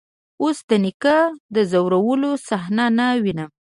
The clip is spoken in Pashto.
اوس د نيکه د ځورولو صحنه نه وينم.